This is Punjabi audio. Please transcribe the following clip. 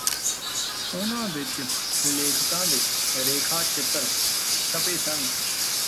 ਉਨ੍ਹਾਂ ਵਿਚ ਲੇਖਕਾਂ ਦੇ ਰੇਖਾ ਚਿੱਤਰ ਛਪੇ ਸਨ